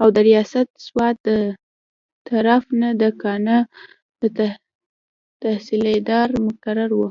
او د رياست سوات دطرف نه د کاڼا تحصيلدار مقرر وو